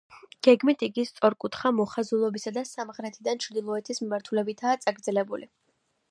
გეგმით იგი სწორკუთხა მოხაზულობისა და სამხრეთიდან ჩრდილოეთის მიმართულებითაა წაგრძელებული.